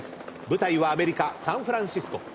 舞台はアメリカサンフランシスコ。